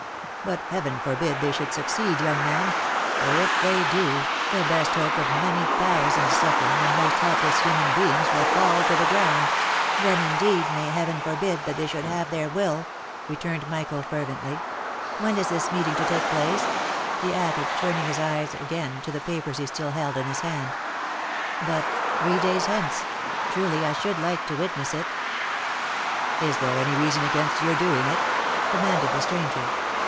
But Heaven forbid they should succeed, young man — for if they do, the best hope of many thousand suffering, and most helpless human beings, will fall to the ground !"" Then, indeed, may Heaven forbid that they should have their will !" returned Michael, fervently. " When is this meeting to take place V he added, turning his eyes again to the papers he still held in his hand. H But three days hence !— truly I should like to witness it !"" Is there any reason against your doing it ?" demanded the stran ger.